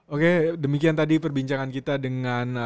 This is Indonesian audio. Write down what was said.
oke demikian tadi perbincangan kita dengan